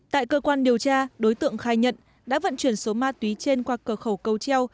tại cơ quan điều tra đối tượng khai nhận đã vận chuyển số ma túy trên qua cửa khẩu cầu treo